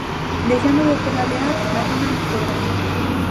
Deixando de pedalear na zona empedrada.